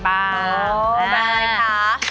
แบรนด์อะไรคะ